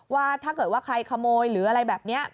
ว่าถ้าเกิดว่าใครขโมยหรืออะไรแบบนี้